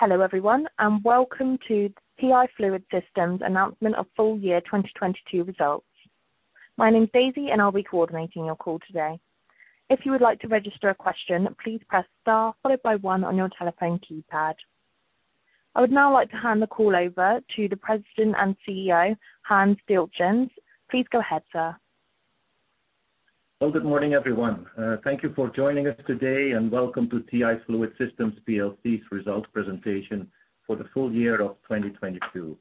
Hello everyone, welcome to TI Fluid Systems announcement of full year 2022 results. My name's Daisy, I'll be coordinating your call today. If you would like to register a question, please press star followed by one on your telephone keypad. I would now like to hand the call over to the President and CEO, Hans Dieltjens. Please go ahead, sir. Well, good morning, everyone. Thank you for joining us today, and welcome to TI Fluid Systems plc's results presentation for the full year of 2022.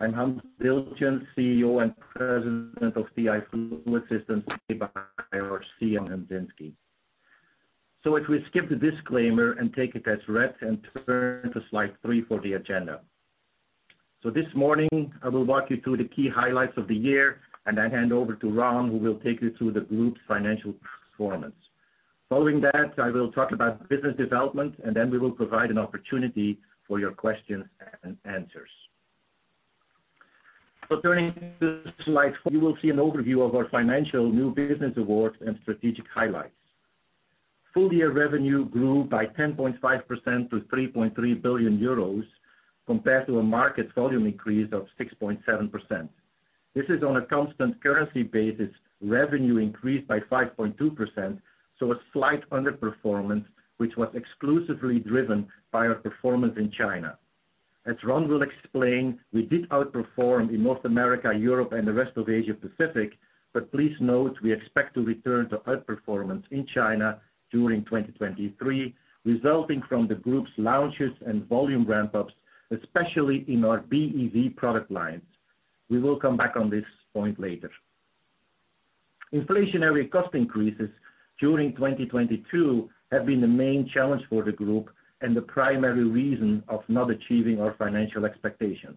I'm Hans Dieltjens, CEO and President of TI Fluid Systems, by our CEO, Hans Dieltjens. If we skip the disclaimer and take it as read and turn to slide 3 for the agenda. This morning, I will walk you through the key highlights of the year, and I hand over to Ron, who will take you through the group's financial performance. Following that, I will talk about business development, and then we will provide an opportunity for your questions and answers. Turning to slide 4, you will see an overview of our financial new business awards and strategic highlights. Full year revenue grew by 10.5% to 3.3 billion euros compared to a market volume increase of 6.7%. This is on a constant currency basis, revenue increased by 5.2%, a slight underperformance which was exclusively driven by our performance in China. As Ron will explain, we did outperform in North America, Europe and the rest of Asia Pacific, please note we expect to return to outperformance in China during 2023, resulting from the group's launches and volume ramp-ups, especially in our BEV product lines. We will come back on this point later. Inflationary cost increases during 2022 have been the main challenge for the group and the primary reason of not achieving our financial expectations.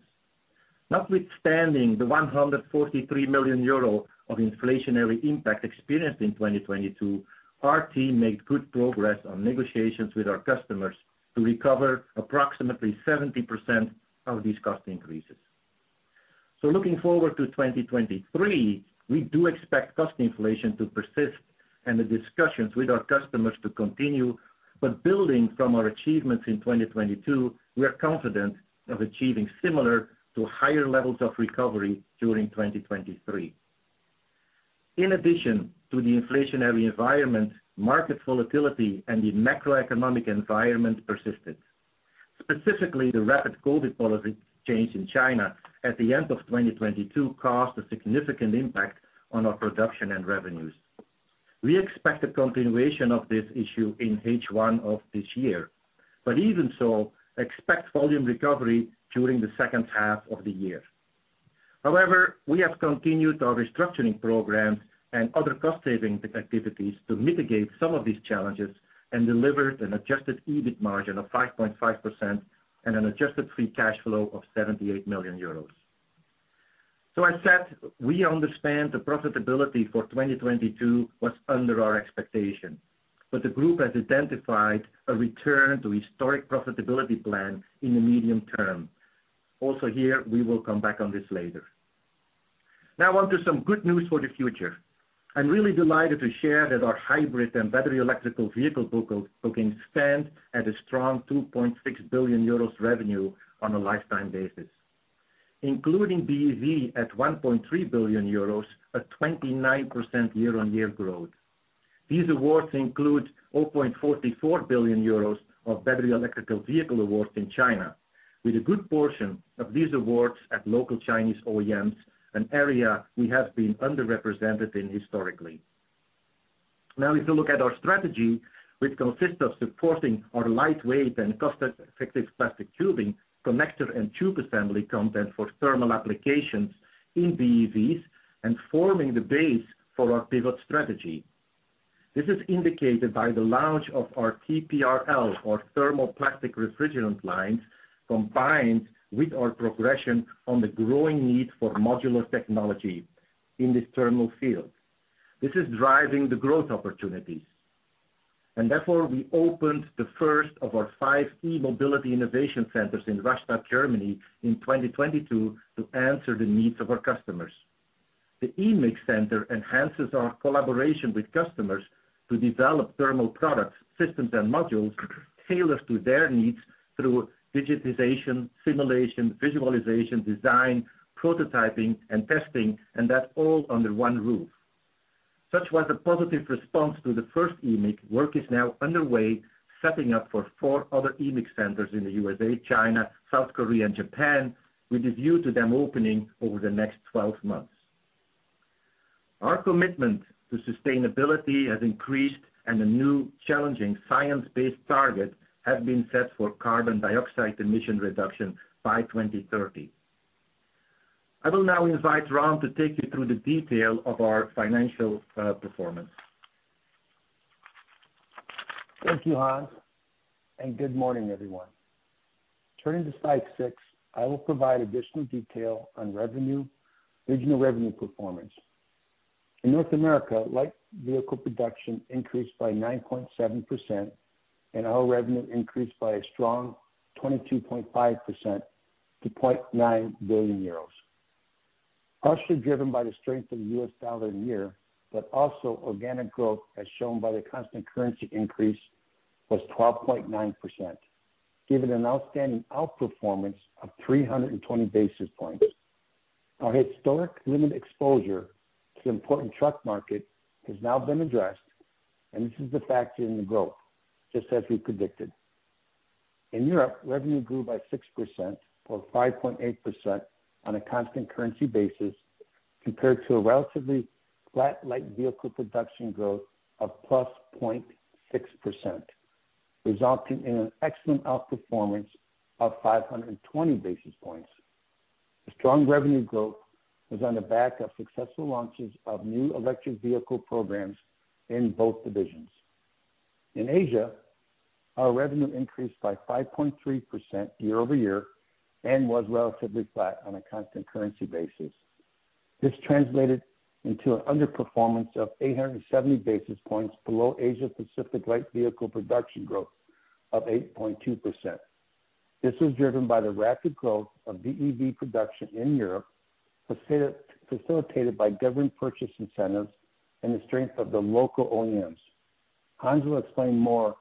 Notwithstanding the 143 million euro of inflationary impact experienced in 2022, our team made good progress on negotiations with our customers to recover approximately 70% of these cost increases. Looking forward to 2023, we do expect cost inflation to persist and the discussions with our customers to continue. Building from our achievements in 2022, we are confident of achieving similar to higher levels of recovery during 2023. In addition to the inflationary environment, market volatility and the macroeconomic environment persisted. Specifically, the rapid COVID policy change in China at the end of 2022 caused a significant impact on our production and revenues. We expect a continuation of this issue in H1 of this year, but even so, expect volume recovery during the second half of the year. We have continued our restructuring programs and other cost saving activities to mitigate some of these challenges and delivered an Adjusted EBIT margin of 5.5% and an Adjusted Free Cash Flow of 78 million euros. As said, we understand the profitability for 2022 was under our expectation, the group has identified a return to historic profitability plan in the medium term. Here, we will come back on this later. On to some good news for the future. I'm really delighted to share that our hybrid and battery electrical vehicle booking stand at a strong 2.6 billion euros revenue on a lifetime basis, including BEV at 1.3 billion euros at 29% year-on-year growth. These awards include 0.44 billion euros of battery electric vehicle awards in China, with a good portion of these awards at local Chinese OEMs, an area we have been underrepresented in historically. Now if you look at our strategy, which consists of supporting our lightweight and cost-effective plastic tubing connector and tube assembly content for thermal applications in BEVs and forming the base for our pivot strategy. This is indicated by the launch of our TPRL or Thermoplastic Refrigerant Lines, combined with our progression on the growing need for modular technology in this thermal field. This is driving the growth opportunities, and therefore we opened the first of our five e-Mobility Innovation Centers in Rastatt, Germany in 2022 to answer the needs of our customers. The eMIC Center enhances our collaboration with customers to develop thermal products, systems and modules tailored to their needs through digitization, simulation, visualization, design, prototyping and testing, and that's all under one roof. Such was the positive response to the first eMIC, work is now underway, setting up for 4 other eMIC centers in the USA, China, South Korea and Japan, with a view to them opening over the next 12 months. Our commitment to sustainability has increased and a new challenging science-based target has been set for carbon dioxide emission reduction by 2030. I will now invite Ron to take you through the detail of our financial performance. Thank you, Hans, Good morning, everyone. Turning to slide 6, I will provide additional detail on revenue, regional revenue performance. In North America, light vehicle production increased by 9.7% and our revenue increased by a strong 22.5% to 0.9 billion euros. Partially driven by the strength of the US dollar in the year, but also organic growth, as shown by the constant currency increase, was 12.9%, giving an outstanding outperformance of 320 basis points. Our historic limited exposure to the important truck market has now been addressed, and this is a factor in the growth, just as we predicted. In Europe, revenue grew by 6%, or 5.8% on a constant currency basis compared to a relatively flat light vehicle production growth of +0.6%, resulting in an excellent outperformance of 520 basis points. The strong revenue growth was on the back of successful launches of new electric vehicle programs in both divisions. In Asia, our revenue increased by 5.3% year-over-year and was relatively flat on a constant currency basis. This translated into an underperformance of 870 basis points below Asia Pacific light vehicle production growth of 8.2%. This was driven by the rapid growth of BEV production in Europe, facilitated by government purchase incentives and the strength of the local OEMs. Hans will explain more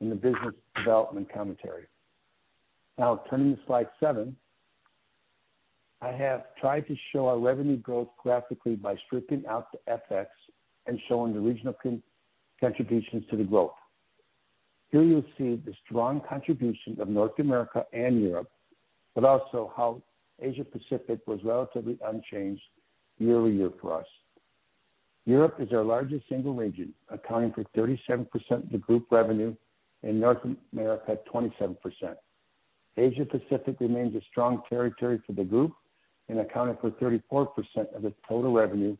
in the business development commentary. Turning to slide 7. I have tried to show our revenue growth graphically by stripping out the FX and showing the regional contributions to the growth. Here you'll see the strong contribution of North America and Europe, also how Asia Pacific was relatively unchanged year-over-year for us. Europe is our largest single region, accounting for 37% of the group revenue, and North America at 27%. Asia Pacific remains a strong territory for the group and accounted for 34% of the total revenue,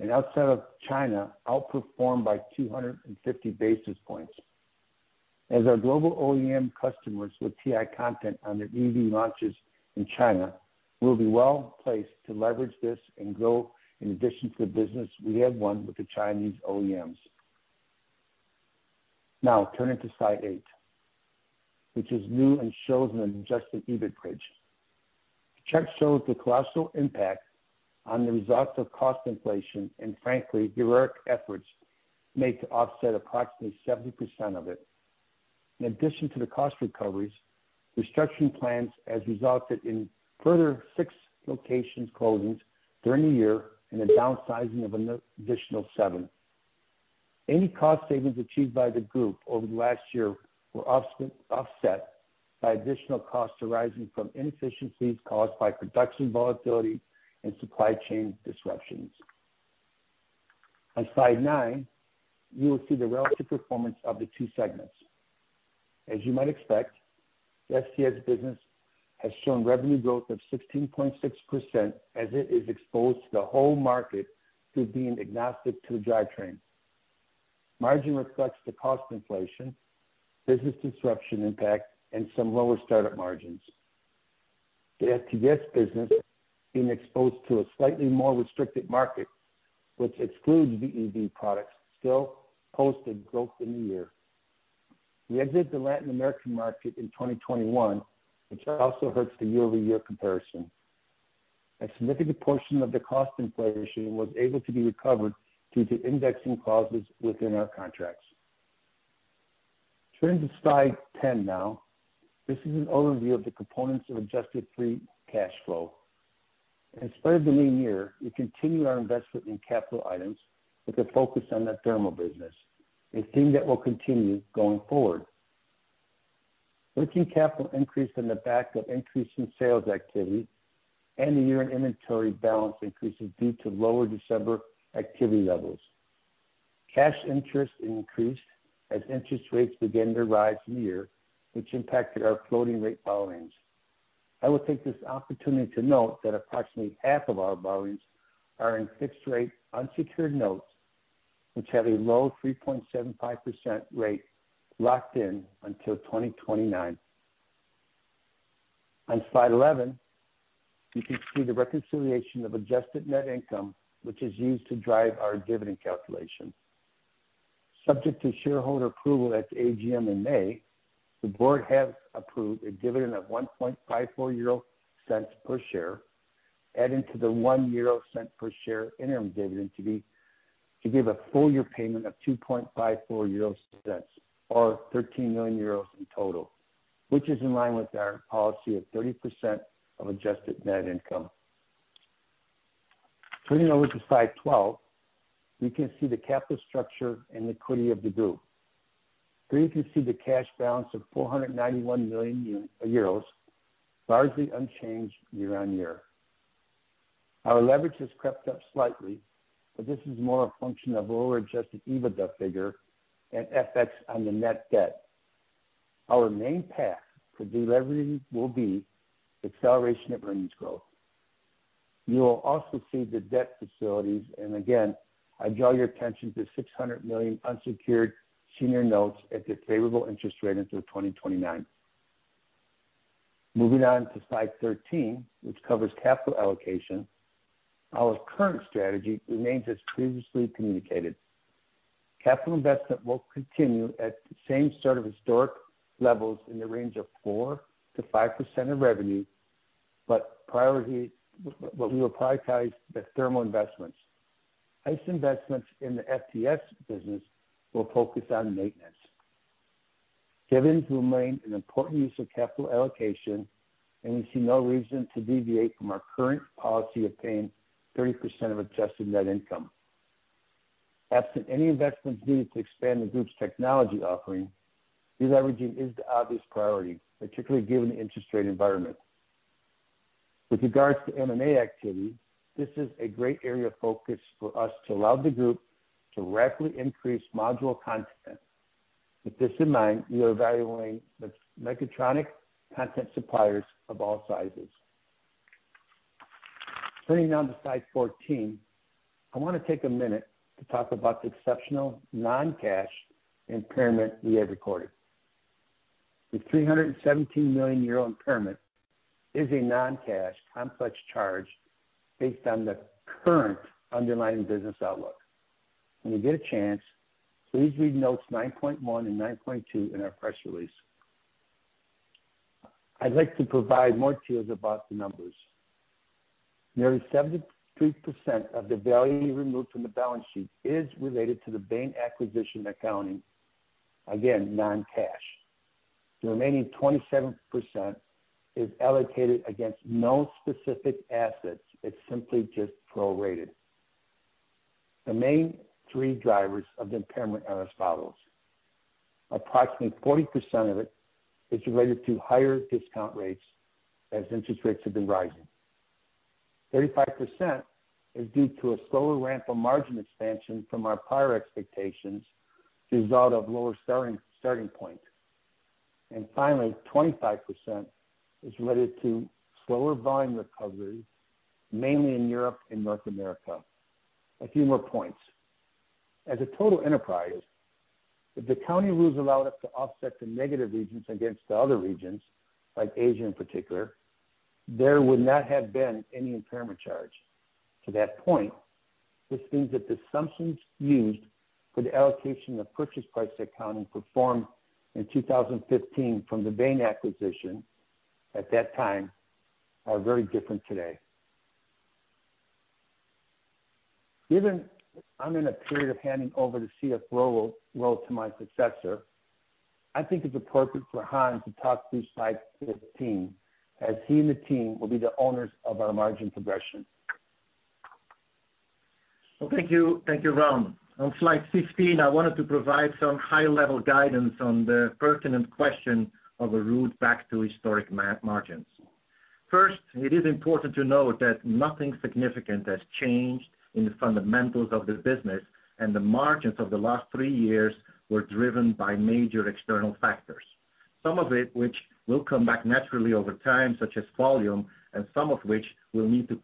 and outside of China, outperformed by 250 basis points. As our global OEM customers with TI content on their EV launches in China, we'll be well placed to leverage this and grow in addition to the business we have won with the Chinese OEMs. Turning to slide 8, which is new and shows an Adjusted EBIT bridge. The chart shows the colossal impact on the results of cost inflation and frankly, heroic efforts made to offset approximately 70% of it. In addition to the cost recoveries, restructuring plans has resulted in further 6 locations closings during the year and a downsizing of an additional 7. Any cost savings achieved by the group over the last year were offset by additional costs arising from inefficiencies caused by production volatility and supply chain disruptions. On slide 9, you will see the relative performance of the two segments. As you might expect, the FCS business has shown revenue growth of 16.6% as it is exposed to the whole market through being agnostic to the drivetrain. Margin reflects the cost inflation, business disruption impact, and some lower start-up margins. The FTDS business being exposed to a slightly more restricted market, which excludes BEV products, still posted growth in the year. We exit the Latin American market in 2021, which also hurts the year-over-year comparison. A significant portion of the cost inflation was able to be recovered due to indexing clauses within our contracts. Turning to slide 10 now. This is an overview of the components of Adjusted Free Cash Flow. In spite of the lean year, we continue our investment in capital items with a focus on the thermal business, a theme that will continue going forward. Working capital increased on the back of increase in sales activity and the year-end inventory balance increases due to lower December activity levels. Cash interest increased as interest rates began to rise in the year, which impacted our floating rate borrowings. I will take this opportunity to note that approximately half of our borrowings are in fixed rate unsecured notes, which have a low 3.75% rate locked in until 2029. On slide 11, you can see the reconciliation of Adjusted Net Income, which is used to drive our dividend calculation. Subject to shareholder approval at the AGM in May, the board has approved a dividend of 0.0154 per share, adding to the 0.01 per share interim dividend to give a full year payment of 0.0254 or 13 million euros in total, which is in line with our policy of 30% of Adjusted Net Income. Turning over to slide 12, we can see the capital structure and liquidity of the group. Here you can see the cash balance of 491 million euros, largely unchanged year-on-year. Our leverage has crept up slightly. This is more a function of a lower Adjusted EBITDA figure and FX on the net debt. Our main path to deleveraging will be acceleration of earnings growth. You will also see the debt facilities. Again, I draw your attention to 600 million unsecured senior notes at the favorable interest rate until 2029. Moving on to slide 13, which covers capital allocation. Our current strategy remains as previously communicated. Capital investment will continue at the same sort of historic levels in the range of 4%-5% of revenue, what we will prioritize the thermal investments. ICE investments in the FTDS business will focus on maintenance. Dividends remain an important use of capital allocation, and we see no reason to deviate from our current policy of paying 30% of Adjusted Net Income. Absent any investments needed to expand the group's technology offering, deleveraging is the obvious priority, particularly given the interest rate environment. With regards to M&A activity, this is a great area of focus for us to allow the group to rapidly increase module content. With this in mind, we are evaluating the Mechatronics content suppliers of all sizes. Turning now to slide 14, I wanna take a minute to talk about the exceptional non-cash impairment we have recorded. The 317 million euro impairment is a non-cash complex charge based on the current underlying business outlook. When you get a chance, please read notes 9.1 and 9.2 in our press release. I'd like to provide more details about the numbers. Nearly 73% of the value removed from the balance sheet is related to the Bain acquisition accounting. Again, non-cash. The remaining 27% is allocated against no specific assets. It's simply just prorated. The main three drivers of the impairment are as follows. Approximately 40% of it is related to higher discount rates as interest rates have been rising. 35% is due to a slower ramp on margin expansion from our prior expectations, the result of lower starting point. Finally, 25% is related to slower volume recovery, mainly in Europe and North America. A few more points. As a total enterprise, if the county rules allowed us to offset the negative regions against the other regions, like Asia in particular, there would not have been any impairment charge. To that point, this means that the assumptions used for the allocation of purchase price accounting performed in 2015 from the Bain acquisition at that time are very different today. Given I'm in a period of handing over the CFO role to my successor, I think it's appropriate for Hans to talk through slide 15, as he and the team will be the owners of our margin progression. Well, thank you. Thank you, Ron. On slide 15, I wanted to provide some high-level guidance on the pertinent question of a route back to historic margins. First, it is important to note that nothing significant has changed in the fundamentals of the business, and the margins of the last three years were driven by major external factors. Some of it which will come back naturally over time, such as volume, and some of which we'll need to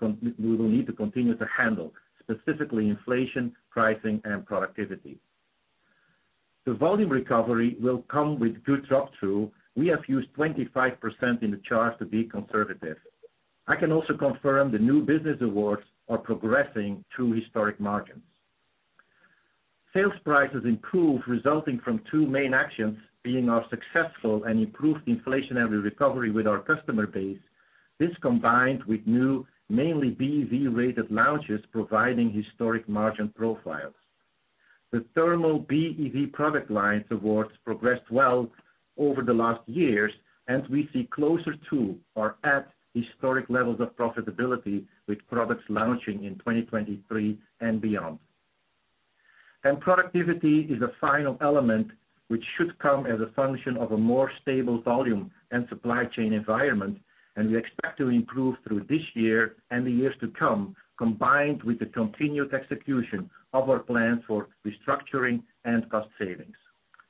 continue to handle, specifically inflation, pricing, and productivity. The volume recovery will come with good drop through. We have used 25% in the chart to be conservative. I can also confirm the new business awards are progressing to historic margins. Sales prices improved, resulting from 2 main actions being our successful and improved inflationary recovery with our customer base. This combined with new mainly BEV-rated launches providing historic margin profiles. The thermal BEV product lines awards progressed well over the last years, and we see closer to or at historic levels of profitability with products launching in 2023 and beyond. Productivity is a final element which should come as a function of a more stable volume and supply chain environment, and we expect to improve through this year and the years to come, combined with the continued execution of our plans for restructuring and cost savings.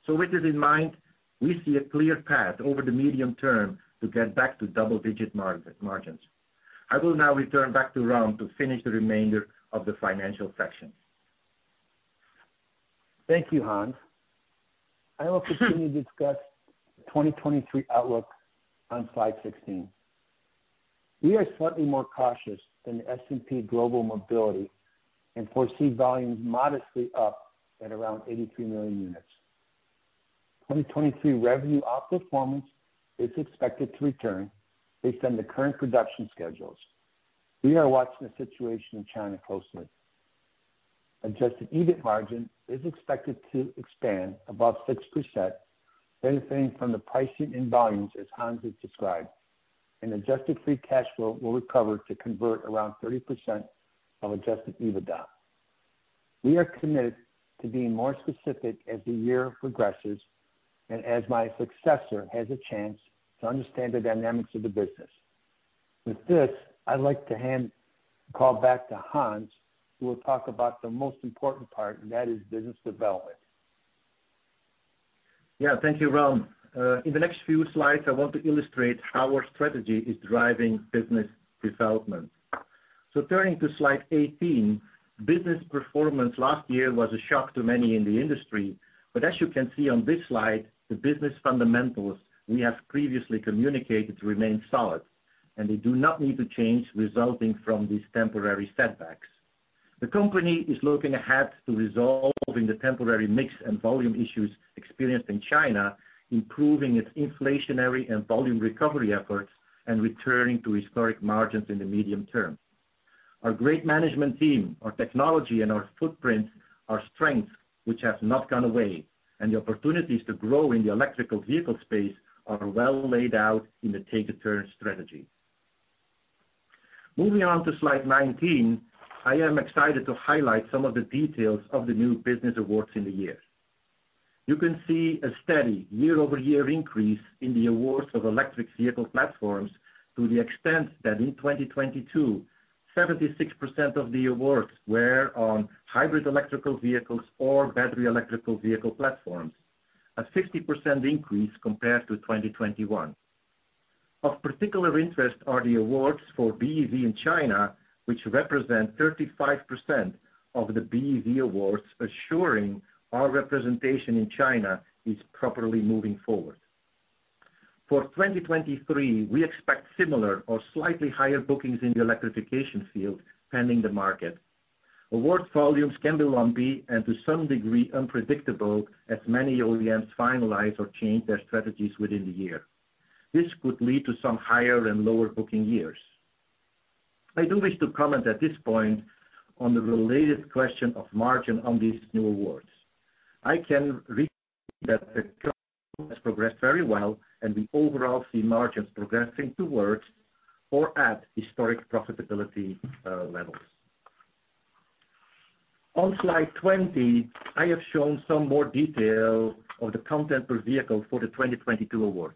With this in mind, we see a clear path over the medium term to get back to double-digit margins. I will now return back to Ron to finish the remainder of the financial section. Thank you, Hans. I will continue to discuss the 2023 outlook on slide 16. We are slightly more cautious than the S&P Global Mobility and foresee volumes modestly up at around 83 million units. 2023 revenue outperformance is expected to return based on the current production schedules. We are watching the situation in China closely. Adjusted EBIT margin is expected to expand above 6%, benefiting from the pricing in volumes as Hans has described. An adjusted free cash flow will recover to convert around 30% of Adjusted EBITDA. We are committed to being more specific as the year progresses and as my successor has a chance to understand the dynamics of the business. With this, I'd like to hand the call back to Hans, who will talk about the most important part, and that is business development. Yeah. Thank you, Ron. In the next few slides, I want to illustrate how our strategy is driving business development. Turning to slide 18, business performance last year was a shock to many in the industry. As you can see on this slide, the business fundamentals we have previously communicated remain solid. They do not need to change resulting from these temporary setbacks. The company is looking ahead to resolving the temporary mix and volume issues experienced in China, improving its inflationary and volume recovery efforts, and returning to historic margins in the medium term. Our great management team, our technology, and our footprint are strengths which have not gone away, and the opportunities to grow in the electric vehicle space are well laid out in the Take the Turn strategy. Moving on to slide 19, I am excited to highlight some of the details of the new business awards in the year. You can see a steady year-over-year increase in the awards of electric vehicle platforms to the extent that in 2022, 76% of the awards were on hybrid electrical vehicles or battery electrical vehicle platforms, a 60% increase compared to 2021. Of particular interest are the awards for BEV in China, which represent 35% of the BEV awards, assuring our representation in China is properly moving forward. For 2023, we expect similar or slightly higher bookings in the electrification field, pending the market. Award volumes can be lumpy and to some degree unpredictable as many OEMs finalize or change their strategies within the year. This could lead to some higher and lower booking years. I do wish to comment at this point on the related question of margin on these new awards. I can that the has progressed very well, and we overall see margins progressing towards or at historic profitability levels. On slide 20, I have shown some more detail of the content per vehicle for the 2022 awards.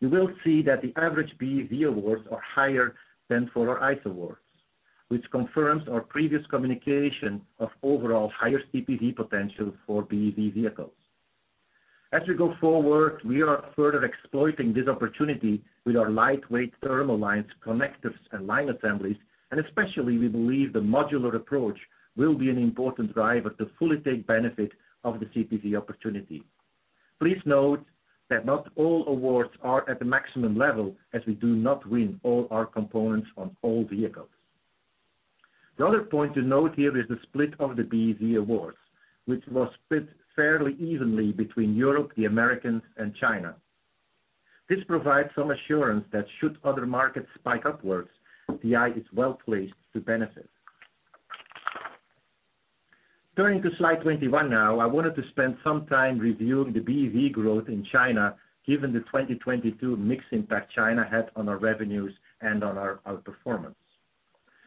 You will see that the average BEV awards are higher than for our ICE awards, which confirms our previous communication of overall higher CPV potential for BEV vehicles. As we go forward, we are further exploiting this opportunity with our lightweight thermal lines, connectors, and line assemblies, and especially, we believe the modular approach will be an important driver to fully take benefit of the CPV opportunity. Please note that not all awards are at the maximum level, as we do not win all our components on all vehicles. The other point to note here is the split of the BEV awards, which was split fairly evenly between Europe, the Americans, and China. This provides some assurance that should other markets spike upwards, TI is well-placed to benefit. Turning to slide 21 now, I wanted to spend some time reviewing the BEV growth in China, given the 2022 mix impact China had on our revenues and on our performance.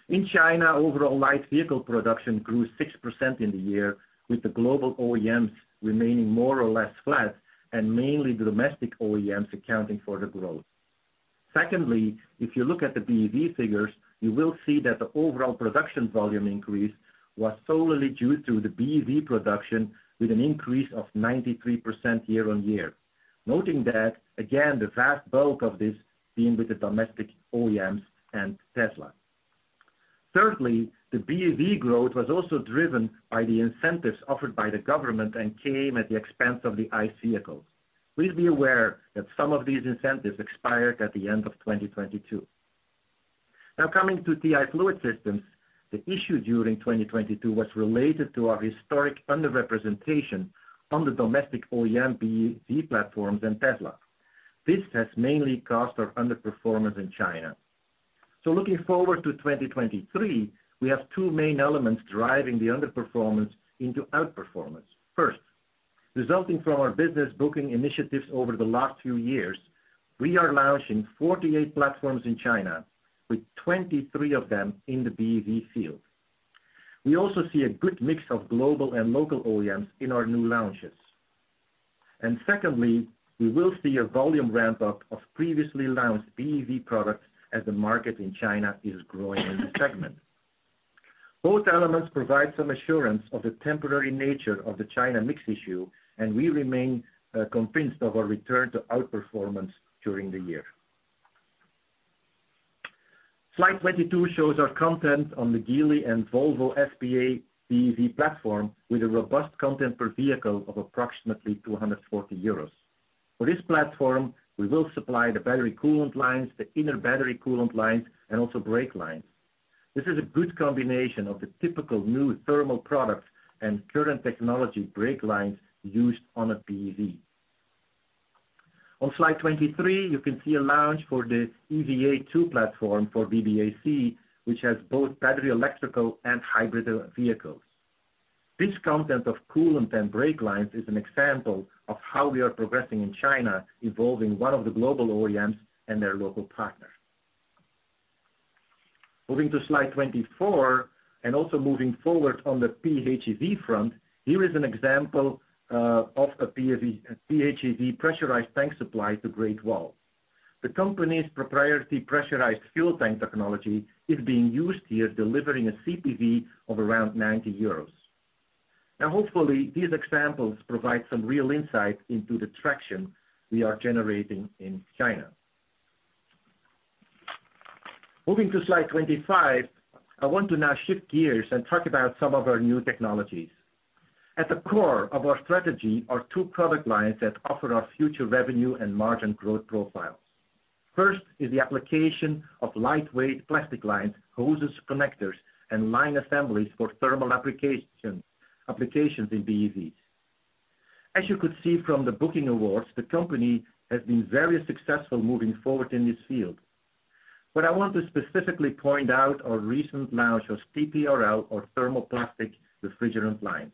In China, overall light vehicle production grew 6% in the year, with the global OEMs remaining more or less flat and mainly domestic OEMs accounting for the growth. If you look at the BEV figures, you will see that the overall production volume increase was solely due to the BEV production with an increase of 93% year-on-year. Noting that, again, the vast bulk of this being with the domestic OEMs and Tesla. The BEV growth was also driven by the incentives offered by the government and came at the expense of the ICE vehicles. Please be aware that some of these incentives expired at the end of 2022. Coming to TI Fluid Systems, the issue during 2022 was related to our historic under-representation on the domestic OEM BEV platforms and Tesla. This has mainly caused our underperformance in China. Looking forward to 2023, we have two main elements driving the underperformance into outperformance. Resulting from our business booking initiatives over the last few years, we are launching 48 platforms in China, with 23 of them in the BEV field. We also see a good mix of global and local OEMs in our new launches. Secondly, we will see a volume ramp-up of previously launched BEV products as the market in China is growing in the segment. Both elements provide some assurance of the temporary nature of the China mix issue, and we remain convinced of our return to outperformance during the year. Slide 22 shows our content on the Geely and Volvo SPA BEV platform with a robust content per vehicle of approximately 240 euros. For this platform, we will supply the battery coolant lines, the inner battery coolant lines, and also brake lines. This is a good combination of the typical new thermal products and current technology brake lines used on a BEV. On slide 23, you can see a launch for the EVA2 platform for BBAC, which has both battery, electrical, and hybrid vehicles. This content of coolant and brake lines is an example of how we are progressing in China, involving one of the global OEMs and their local partners. Moving to slide 24, and also moving forward on the PHEV front, here is an example of a PHEV pressurized tank supply to Great Wall. The company's proprietary pressurized fuel tank technology is being used here, delivering a CPV of around 90 euros. Hopefully these examples provide some real insight into the traction we are generating in China. Moving to slide 25, I want to now shift gears and talk about some of our new technologies. At the core of our strategy are two product lines that offer our future revenue and margin growth profile. First is the application of lightweight plastic lines, hoses, connectors, and line assemblies for thermal applications in BEVs. As you could see from the booking awards, the company has been very successful moving forward in this field. I want to specifically point out our recent launch of TPRL or Thermoplastic Refrigerant Lines.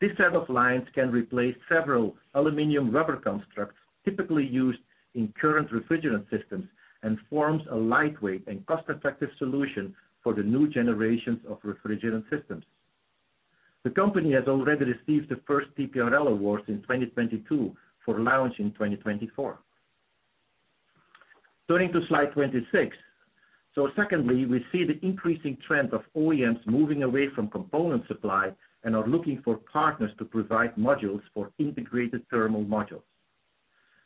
This set of lines can replace several aluminum rubber constructs typically used in current refrigerant systems and forms a lightweight and cost-effective solution for the new generations of refrigerant systems. The company has already received the first TPRL awards in 2022 for launch in 2024. Turning to slide 26. Secondly, we see the increasing trend of OEMs moving away from component supply and are looking for partners to provide modules for integrated thermal modules.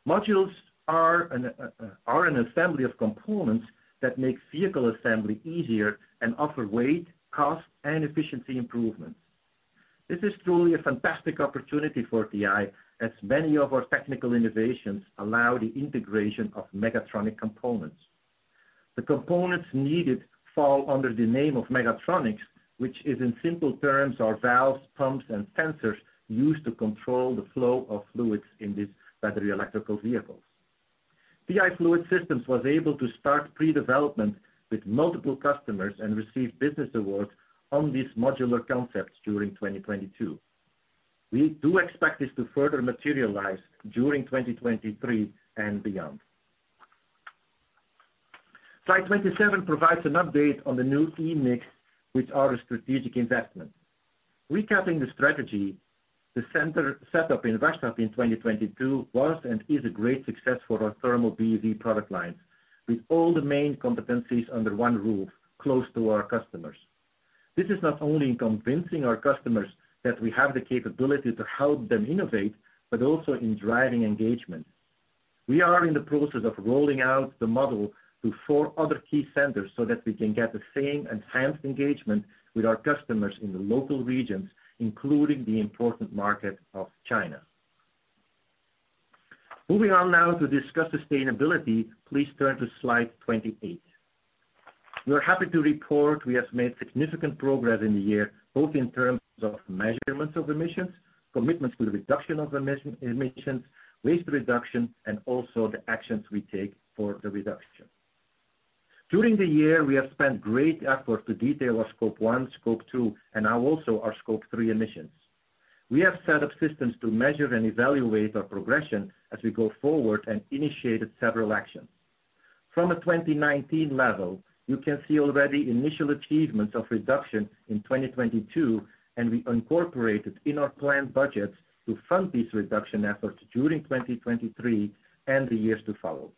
Modules are an assembly of components that make vehicle assembly easier and offer weight, cost, and efficiency improvements. This is truly a fantastic opportunity for TI as many of our technical innovations allow the integration of Mechatronics components. The components needed fall under the name of Mechatronics, which is in simple terms, are valves, pumps, and sensors used to control the flow of fluids in these battery electrical vehicles. TI Fluid Systems was able to start pre-development with multiple customers and receive business awards on these modular concepts during 2022. We do expect this to further materialize during 2023 and beyond. Slide 27 provides an update on the new eMICs with our strategic investment. Recapping the strategy, the center set up in Rastatt in 2022 was and is a great success for our thermal BEV product lines, with all the main competencies under one roof close to our customers. This is not only in convincing our customers that we have the capability to help them innovate, but also in driving engagement. We are in the process of rolling out the model to 4 other key centers so that we can get the same enhanced engagement with our customers in the local regions, including the important market of China. Moving on now to discuss sustainability, please turn to slide 28. We are happy to report we have made significant progress in the year, both in terms of measurements of emissions, commitments to the reduction of emissions, waste reduction, and also the actions we take for the reduction. During the year, we have spent great effort to detail our Scope 1, Scope 2, and now also our Scope 3 emissions. We have set up systems to measure and evaluate our progression as we go forward and initiated several actions. From a 2019 level, you can see already initial achievements of reduction in 2022. We incorporated in our plan budgets to fund these reduction efforts during 2023 and the years to follow.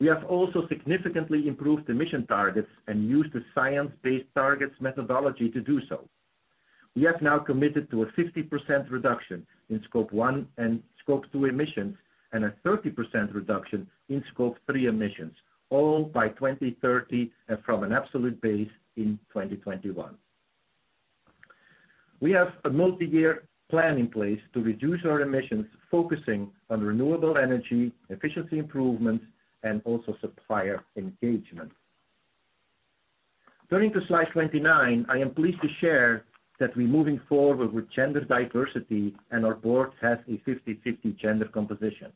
We have also significantly improved emission targets and used the Science Based Targets methodology to do so. We have now committed to a 50% reduction in Scope 1 and Scope 2 emissions and a 30% reduction in Scope 3 emissions, all by 2030 and from an absolute base in 2021. We have a multi-year plan in place to reduce our emissions, focusing on renewable energy, efficiency improvements, and also supplier engagement. Turning to slide 29, I am pleased to share that we're moving forward with gender diversity and our board has a 50/50 gender composition.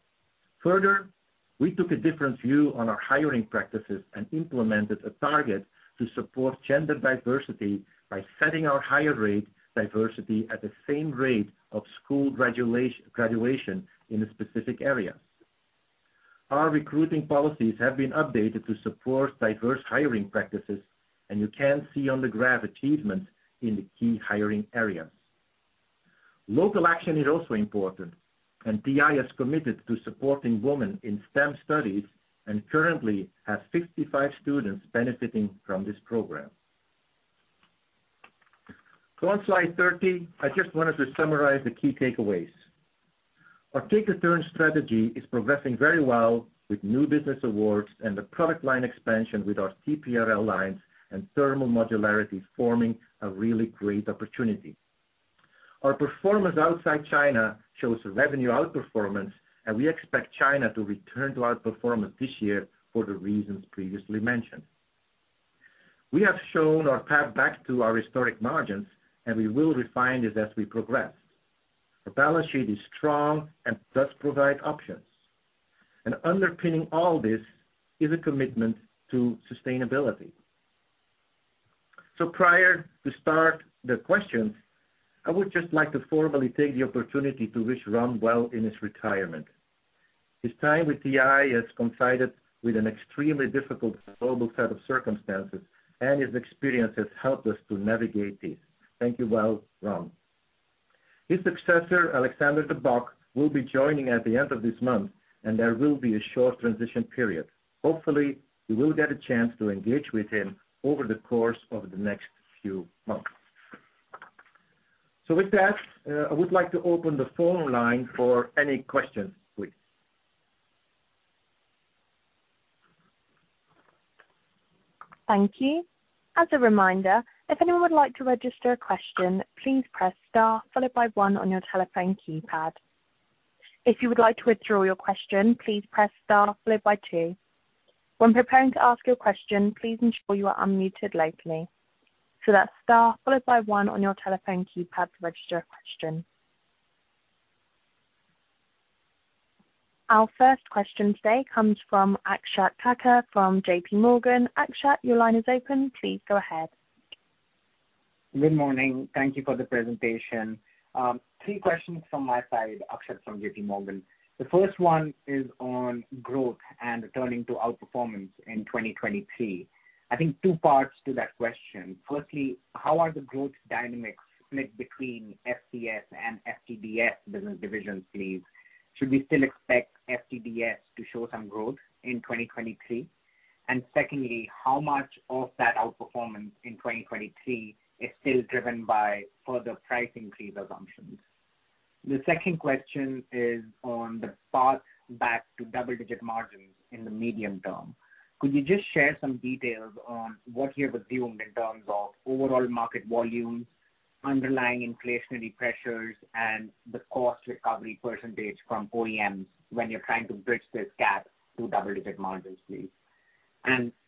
We took a different view on our hiring practices and implemented a target to support gender diversity by setting our higher rate diversity at the same rate of school graduation in a specific area. Our recruiting policies have been updated to support diverse hiring practices, and you can see on the graph achievements in the key hiring areas. Local action is also important, and TI is committed to supporting women in STEM studies and currently has 55 students benefiting from this program. On slide 30, I just wanted to summarize the key takeaways. Our Take the Turn strategy is progressing very well with new business awards and the product line expansion with our TPRL lines and thermal modularity forming a really great opportunity. Our performance outside China shows revenue outperformance, and we expect China to return to outperformance this year for the reasons previously mentioned. We have shown our path back to our historic margins, and we will refine this as we progress. Our balance sheet is strong and does provide options. Underpinning all this is a commitment to sustainability. Prior to start the questions, I would just like to formally take the opportunity to wish Ron well in his retirement. His time with TI has coincided with an extremely difficult global set of circumstances, and his experience has helped us to navigate these. Thank you well, Ron. His successor, Alexander De Bock, will be joining at the end of this month, and there will be a short transition period. Hopefully, you will get a chance to engage with him over the course of the next few months. With that, I would like to open the phone line for any questions, please. Thank you. As a reminder, if anyone would like to register a question, please press star followed by one on your telephone keypad. If you would like to withdraw your question, please press star followed by two. When preparing to ask your question, please ensure you are unmuted locally. That's star followed by 1 on your telephone keypad to register a question. Our first question today comes from Akshat Thakkar from J.P. Morgan. Akshat, your line is open. Please go ahead. Good morning. Thank you for the presentation. Three questions from my side, Akshat from J.P. Morgan. The first one is on growth and returning to outperformance in 2023. I think two parts to that question. Firstly, how are the growth dynamics split between FCS and FTDS business division please? Should we still expect FTDS to show some growth in 2023? Secondly, how much of that outperformance in 2023 is still driven by further price increase assumptions? The second question is on the path back to double-digit margins in the medium term. Could you just share some details on what you're assuming in terms of overall market volumes, underlying inflationary pressures, and the cost recovery percentage from OEMs when you're trying to bridge this gap to double-digit margins please?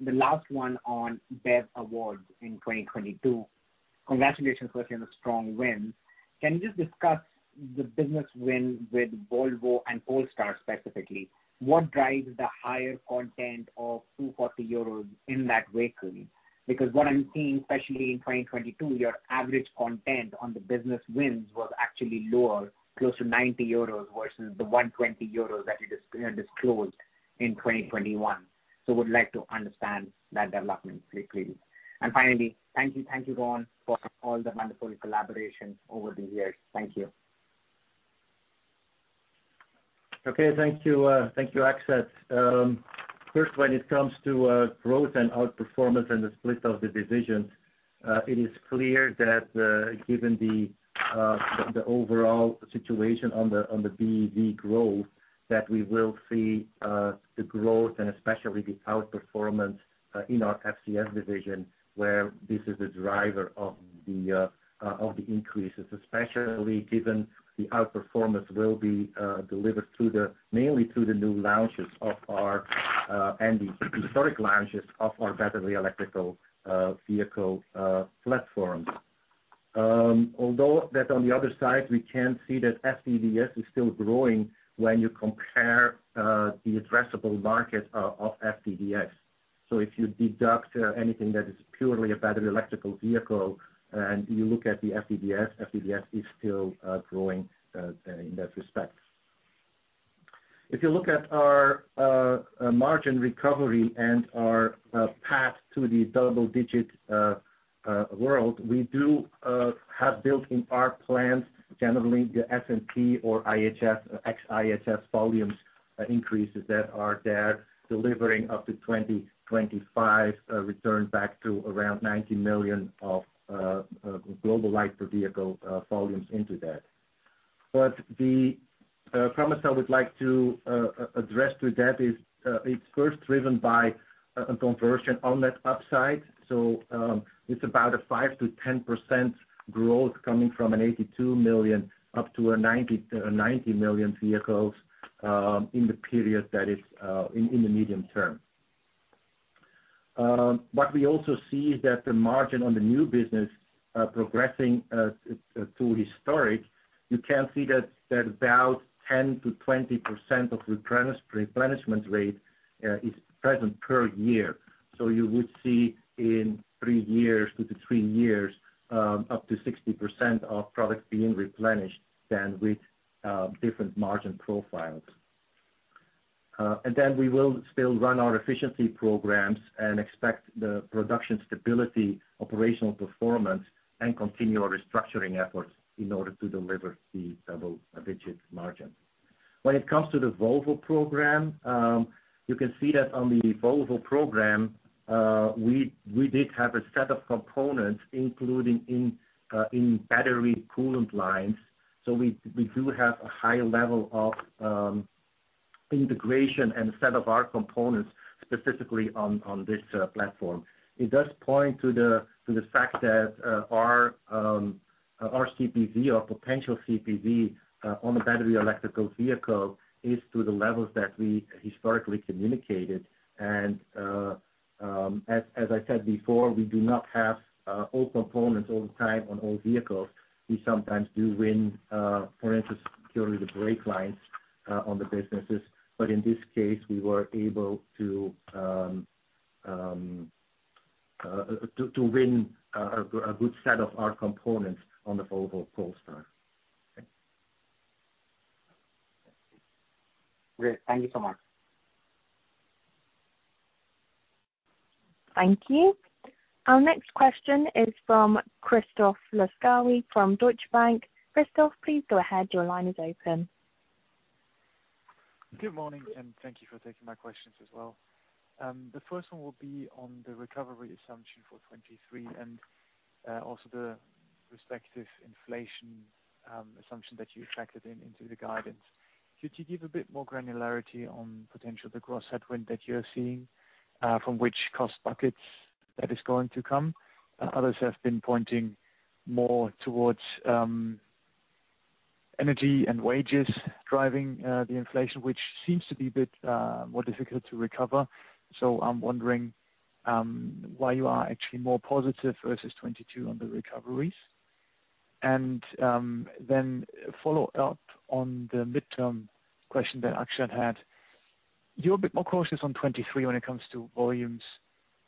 The last one on BEV awards in 2022. Congratulations, firstly, on the strong wins. Can you just discuss the business win with Volvo and Polestar specifically? What drives the higher content of 240 euros in that vehicle? What I'm seeing, especially in 2022, your average content on the business wins was actually lower, close to 90 euros versus the 120 euros that you disclosed in 2021. Would like to understand that development please. Finally, thank you, Ron, for all the wonderful collaboration over the years. Thank you. Okay. Thank you. Thank you, Akshat. First, when it comes to growth and outperformance and the split of the divisions, it is clear that given the overall situation on the BEV growth that we will see, the growth and especially the outperformance in our FCS division where this is the driver of the increases, especially given the outperformance will be delivered mainly through the new launches of our and the historic launches of our battery electrical vehicle platforms. Although that on the other side, we can see that FTDS is still growing when you compare the addressable market of FTDS. If you deduct anything that is purely a battery electrical vehicle and you look at the FTDS is still growing in that respect. If you look at our margin recovery and our path to the double digit world, we do have built in our plans, generally the S&P or IHS, ex IHS volumes increases that are there delivering up to 2025 return back to around 90 million of global light per vehicle volumes into that. The promise I would like to address to that is it's first driven by a conversion on that upside. it's about a 5%-10% growth coming from an 82 million up to a 90 million vehicles in the period that is in the medium term. What we also see is that the margin on the new business progressing to historic, you can see that there's about 10%-20% of replenishment rate is present per year. You would see in three years up to 60% of products being replenished than with different margin profiles. We will still run our efficiency programs and expect the production stability, operational performance and continual restructuring efforts in order to deliver the double-digit margin. When it comes to the Volvo program, you can see that on the Volvo program, we did have a set of components, including in battery coolant lines. We do have a high level of integration and a set of our components specifically on this platform. It does point to the fact that our CPV or potential CPV on the battery electrical vehicle is to the levels that we historically communicated. As I said before, we do not have all components all the time on all vehicles. We sometimes do win, for instance, purely the brake lines on the businesses. In this case, we were able to win a good set of our components on the Volvo Polestar. Okay. Great. Thank you so much. Thank you. Our next question is from Christoph Laskawi from Deutsche Bank. Christoph, please go ahead. Your line is open. Good morning, thank you for taking my questions as well. The first one will be on the recovery assumption for 23. Also the respective inflation assumption that you factored in into the guidance. Could you give a bit more granularity on potential the cross headwind that you're seeing from which cost buckets that is going to come? Others have been pointing more towards energy and wages driving the inflation, which seems to be a bit more difficult to recover. I'm wondering why you are actually more positive versus 2022 on the recoveries. Then follow up on the midterm question that Akshat had. You're a bit more cautious on 2023 when it comes to volumes,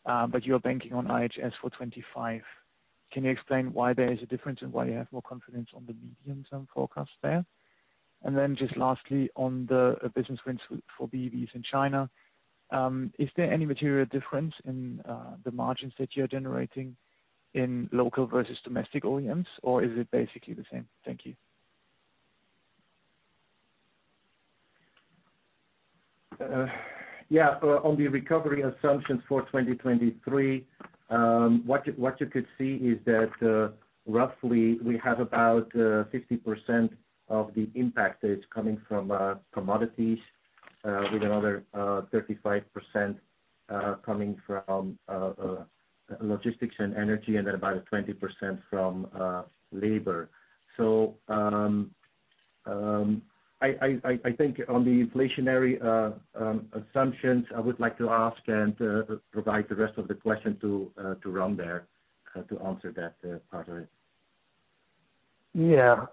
but you're banking on IHS for 2025. Can you explain why there is a difference and why you have more confidence on the medium-term forecast there? Just lastly, on the business wins for BEVs in China, is there any material difference in the margins that you're generating in local versus domestic OEMs, or is it basically the same? Thank you. Yeah. On the recovery assumptions for 2023, what you could see is that, roughly we have about 50% of the impact that is coming from commodities, with another 35% coming from logistics and energy, and then about 20% from labor. I think on the inflationary assumptions, I would like to ask and provide the rest of the question to Ron there, to answer that part of it. Yeah.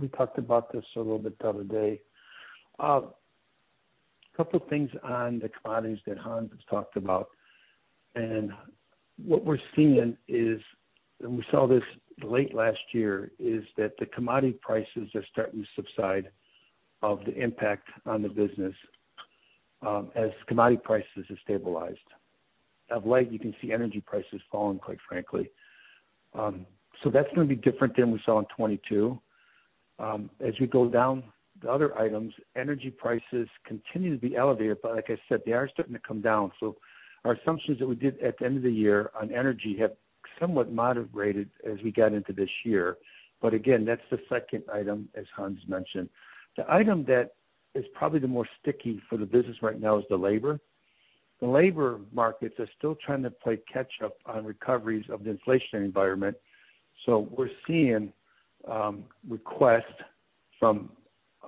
We talked about this a little bit the other day. Couple things on the commodities that Hans has talked about, and what we're seeing is, and we saw this late last year, is that the commodity prices are starting to subside of the impact on the business, as commodity prices have stabilized. Of late, you can see energy prices falling, quite frankly. That's gonna be different than we saw in 2022. As we go down the other items, energy prices continue to be elevated, but like I said, they are starting to come down. Our assumptions that we did at the end of the year on energy have somewhat moderated as we got into this year, but again, that's the second item, as Hans mentioned. The item that is probably the more sticky for the business right now is the labor. The labor markets are still trying to play catch up on recoveries of the inflationary environment. We're seeing requests from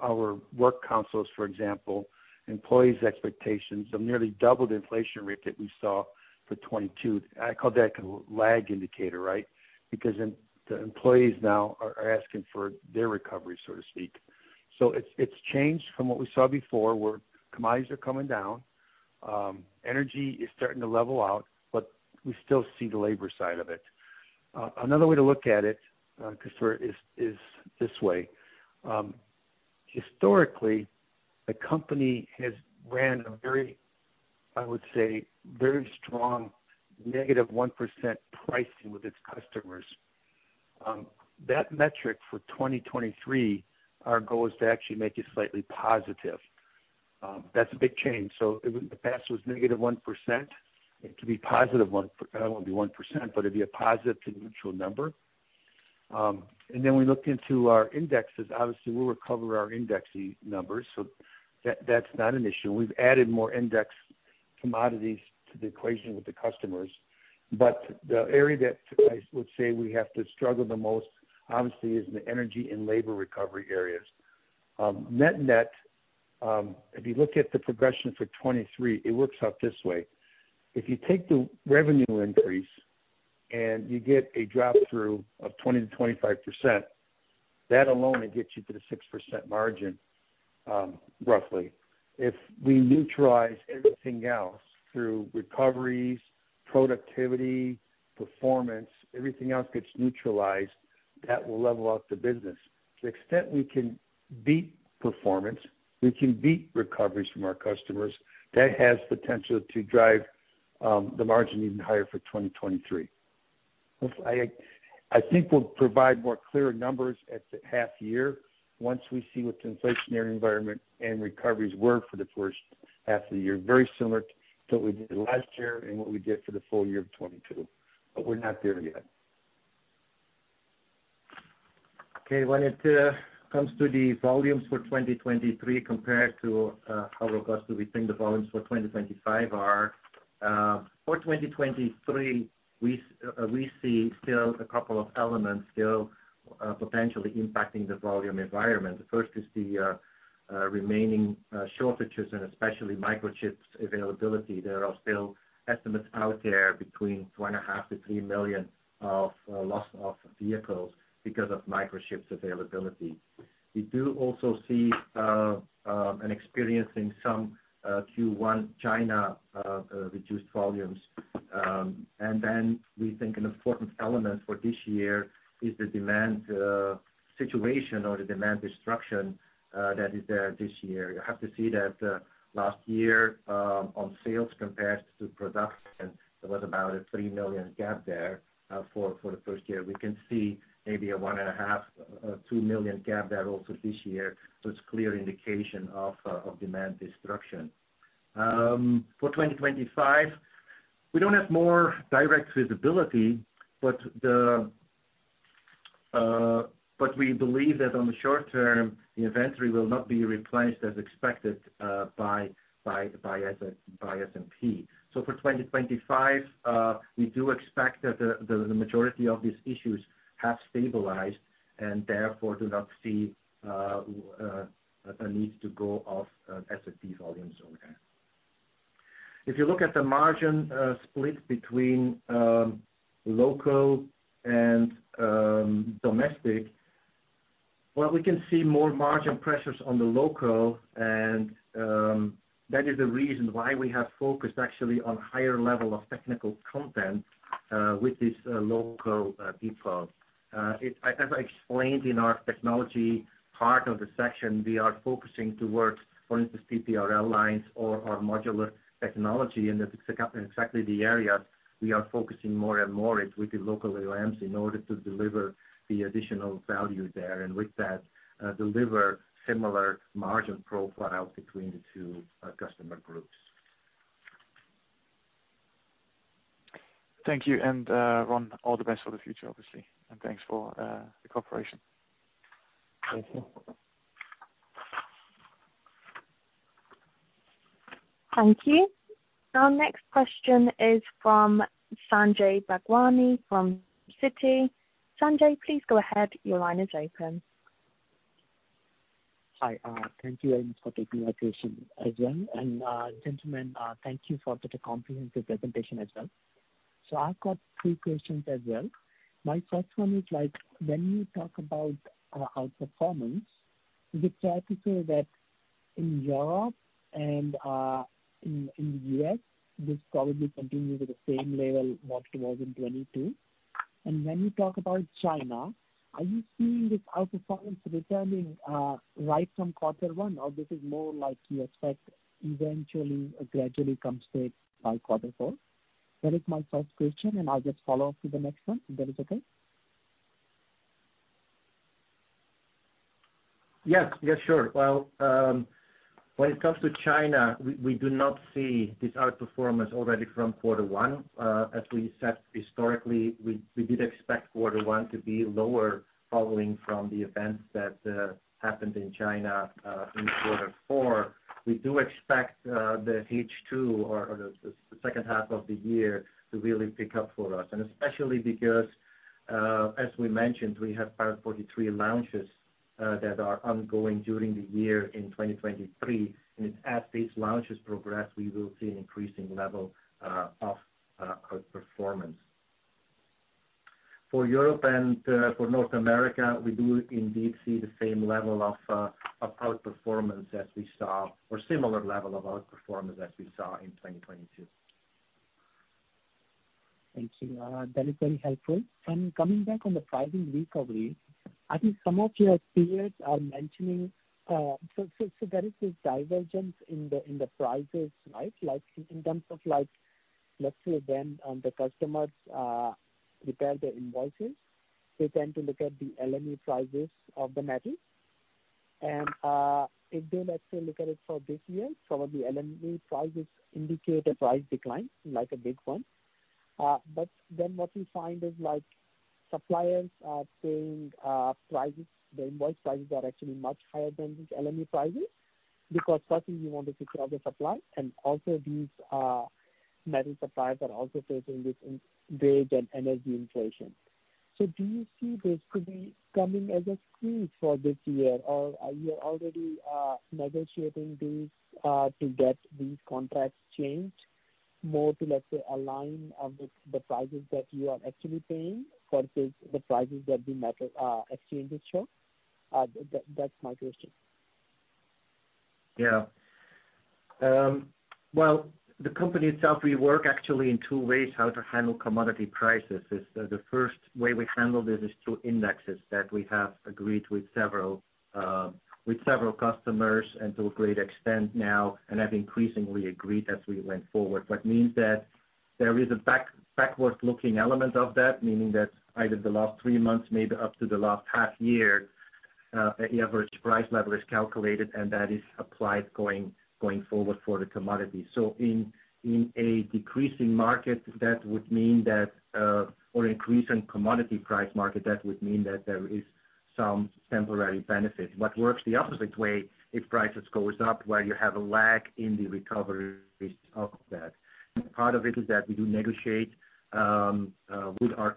our work councils, for example, employees' expectations have nearly doubled inflation rate that we saw for 2022. I call that kind of lag indicator, right? Because the employees now are asking for their recovery, so to speak. It's changed from what we saw before, where commodities are coming down, energy is starting to level out, but we still see the labor side of it. Another way to look at it, Christoph, is this way. Historically, the company has ran a very, I would say, very strong negative 1% pricing with its customers. That metric for 2023, our goal is to actually make it slightly positive. That's a big change. It in the past was negative 1%. It could be positive 1, it won't be 1%, but it'd be a positive to neutral number. Then we looked into our indexes. Obviously, we'll recover our index numbers, so that's not an issue. We've added more index commodities to the equation with the customers. The area that I would say we have to struggle the most obviously is the energy and labor recovery areas. Net-net, if you look at the progression for 2023, it works out this way. If you take the revenue increase and you get a drop through of 20%-25%, that alone will get you to the 6% margin, roughly. If we neutralize everything else through recoveries, productivity, performance, everything else gets neutralized, that will level out the business. To the extent we can beat performance, we can beat recoveries from our customers, that has potential to drive the margin even higher for 2023. I think we'll provide more clearer numbers at the half year once we see what the inflationary environment and recoveries were for the first half of the year, very similar to what we did last year and what we did for the full year of 2022. We're not there yet. Okay. When it comes to the volumes for 2023 compared to how robust do we think the volumes for 2025 are. For 2023, we see still a couple of elements still potentially impacting the volume environment. The first is the remaining shortages and especially microchips availability. There are still estimates out there between 2.5 million-3 million of loss of vehicles because of microchips availability. We do also see and experiencing some Q1 China reduced volumes. We think an important element for this year is the demand situation or the demand destruction that is there this year. You have to see that last year, on sales compared to production, there was about a 3 million gap there for the first year. We can see maybe a 1.5-2 million gap there also this year, so it's clear indication of demand destruction. For 2025, we don't have more direct visibility, but we believe that on the short term, the inventory will not be replaced as expected by S&P. For 2025, we do expect that the majority of these issues have stabilized and therefore do not see a need to go off S&P volumes over there. If you look at the margin split between local and domestic, well, we can see more margin pressures on the local and that is the reason why we have focused actually on higher level of technical content with this local default. As I explained in our technology part of the section, we are focusing towards, for instance, TTR lines or modular technology, and that is exactly the area we are focusing more and more is with the local OEMs in order to deliver the additional value there, and with that deliver similar margin profile between the two customer groups. Thank you. Ron, all the best for the future, obviously. Thanks for the cooperation. Thank you. Thank you. Our next question is from Sanjay Bhagwani from Citi. Sanjay, please go ahead. Your line is open. Hi. Thank you very much for taking my question as well. Gentlemen, thank you for the comprehensive presentation as well. I've got three questions as well. My first one is like, when you talk about outperformance, is it fair to say that in Europe and in the U.S., this probably continues at the same level what it was in 2022? When you talk about China, are you seeing this outperformance returning right from quarter one, or this is more like you expect eventually or gradually compensate by quarter four? That is my first question, and I'll just follow up to the next one, if that is okay. Yes. Yes, sure. Well, when it comes to China, we do not see this outperformance already from quarter one. As we said historically, we did expect quarter one to be lower following from the events that happened in China in quarter four. We do expect the H2 or the second half of the year to really pick up for us, and especially because as we mentioned, we have Power 43 launches that are ongoing during the year in 2023. As these launches progress, we will see an increasing level of outperformance. For Europe and for North America, we do indeed see the same level of outperformance as we saw or similar level of outperformance as we saw in 2022. Thank you. That is very helpful. Coming back on the pricing recovery, I think some of your peers are mentioning, so there is this divergence in the prices, right? Like, in terms of, like, let's say then, the customers prepare their invoices, they tend to look at the LME prices of the metals. If they let's say look at it for this year, some of the LME prices indicate a price decline, like a big one. What we find is like suppliers are saying, prices, the invoice prices are actually much higher than these LME prices because firstly we want to secure the supply and also these metal suppliers are also facing this in- wage and energy inflation. Do you see this could be coming as a squeeze for this year or are you already negotiating these to get these contracts changed more to, let's say, align the prices that you are actually paying versus the prices that the metal exchanges show? That's my question. Yeah. Well, the company itself, we work actually in two ways how to handle commodity prices. The first way we handle this is through indexes that we have agreed with several customers and to a great extent now and have increasingly agreed as we went forward. What means that there is a backward-looking element of that, meaning that either the last three months, maybe up to the last half year, a average price level is calculated and that is applied going forward for the commodity. In a decreasing market, that would mean that, or increasing commodity price market, that would mean that there is some temporary benefit. What works the opposite way, if prices goes up where you have a lag in the recovery of that. Part of it is that we do negotiate with our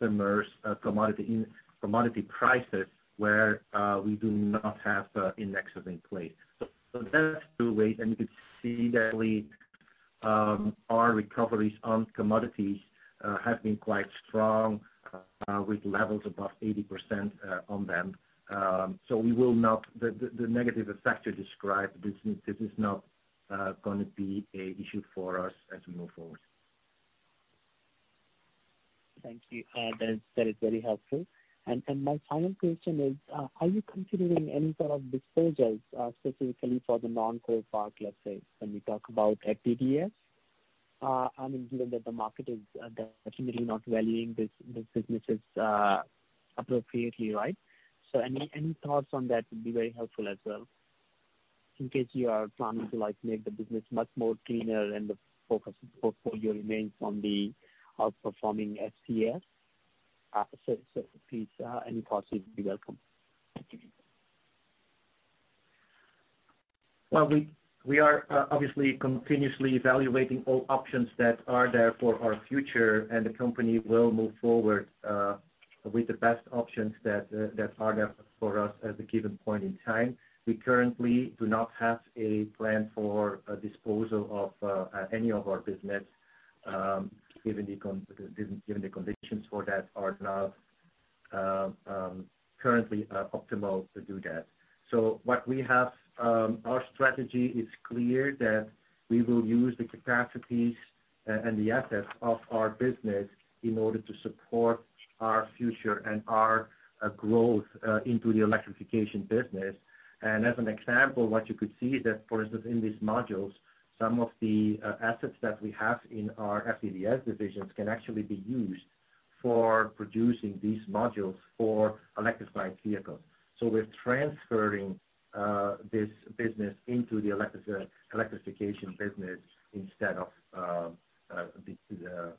customers, commodity prices where we do not have indexes in place. That's two ways, and you can see that we, our recoveries on commodities have been quite strong, with levels above 80% on them. We will not. The negative effect you described, this is not going to be a issue for us as we move forward. Thank you. That's, that is very helpful. My final question is, are you considering any sort of disposals, specifically for the non-core part, let's say, when we talk about FTDS? I mean, given that the market is definitely not valuing this, these businesses, appropriately, right? Any thoughts on that would be very helpful as well. In case you are planning to, like, make the business much more cleaner and the focus of the portfolio remains on the outperforming FTS. Please, any thoughts would be welcome. Thank you. Well, we are obviously continuously evaluating all options that are there for our future, and the company will move forward with the best options that are there for us at the given point in time. We currently do not have a plan for a disposal of any of our business, given the conditions for that are not currently optimal to do that. What we have, our strategy is clear that we will use the capacities and the assets of our business in order to support our future and our growth into the electrification business. As an example, what you could see is that, for instance, in these modules, some of the assets that we have in our FTDS divisions can actually be used for producing these modules for electrified vehicles. We're transferring, this business into the electrification business instead of, into the,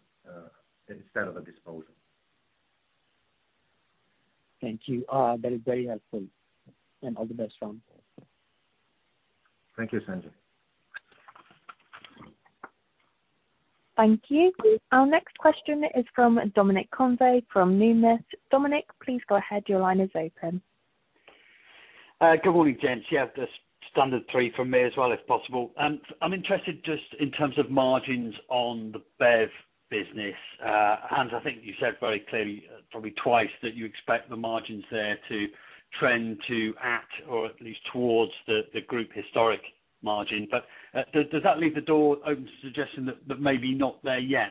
instead of a disposal. Thank you. That is very helpful. All the best, Ron. Thank you, Sanjay. Thank you. Our next question is from Dominic Convey from Numis. Dominic, please go ahead. Your line is open. Good morning, gents. Yeah, just standard three from me as well if possible. I'm interested just in terms of margins on the BEV business. Hans, I think you said very clearly, probably twice, that you expect the margins there to trend to at or at least towards the group historic margin. Does that leave the door open to suggesting that may be not there yet?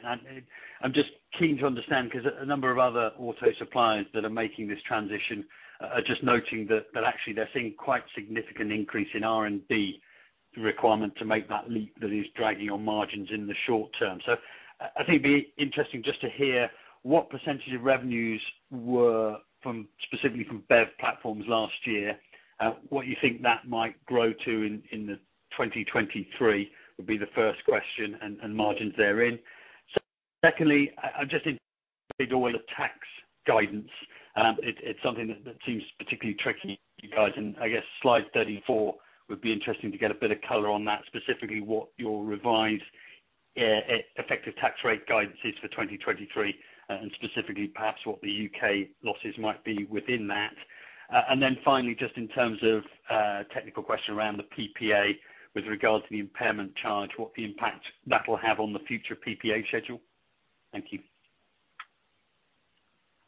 I'm just keen to understand because a number of other auto suppliers that are making this transition are just noting that actually they're seeing quite significant increase in R&D requirement to make that leap that is dragging on margins in the short term. I think it'd be interesting just to hear what percentage of revenues were from, specifically from BEV platforms last year, what you think that might grow to in 2023 would be the first question, and margins therein. Secondly, I'm just interested in the tax guidance. It's something that seems particularly tricky for you guys. I guess slide 34 would be interesting to get a bit of color on that, specifically what your revised effective tax rate guidance is for 2023, and specifically perhaps what the UK losses might be within that. Finally, just in terms of technical question around the PPA with regard to the impairment charge, what the impact that will have on the future PPA schedule. Thank you.